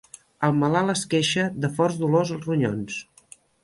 El malalt es queixa de forts dolors als ronyons.